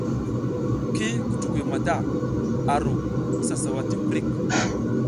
Ki kutukuy mata a ru isa sawa ti prik.